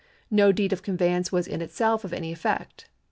No deed of conveyance was in itself of any effect.